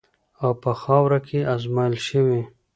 او په خاوره کې ازمویل شوې.